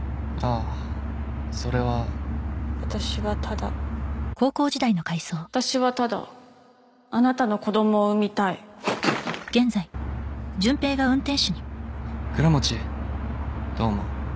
あそれは私はただ私はただあなたの子どもを産みたい倉持どう思う？